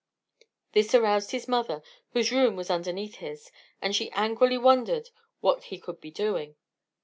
This aroused his mother, whose room was underneath his, and she angrily wondered what he could be doing.